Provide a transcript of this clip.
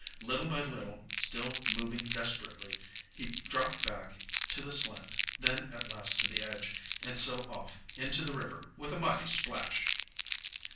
Little by little, still moving desperately, he dropped back to the slant, then at last to the edge, and so off into the river with a mighty splash.